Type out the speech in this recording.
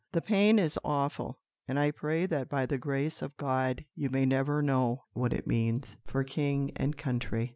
The pain is awful, and I pray that by the grace of God you may never know what it means." For King and Country!